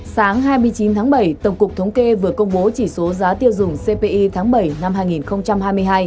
sáng hai mươi chín tháng bảy tổng cục thống kê vừa công bố chỉ số giá tiêu dùng cpi tháng bảy năm hai nghìn hai mươi hai